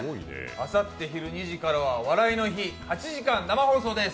あさって昼２時からは「お笑いの日」、８時間生放送です。